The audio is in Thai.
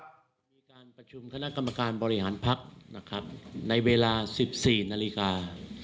มีการประชุมคณะกรรมการบริหารพักนะครับในเวลา๑๔นาฬิกา